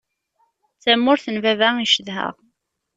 D tamurt n baba i cedheɣ.